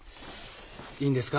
いいんですか？